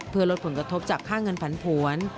เพื่อลดผลกระทบจากค่าเงินผันผวน